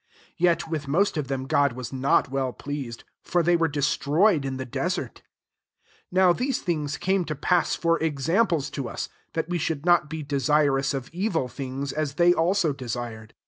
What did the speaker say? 5 Yet with most of them, God was not well pleased : for they were destroyed in the desert. 6 Now these things came to pass for examples to us ; that we should not be desirous of evil things, as they also desired.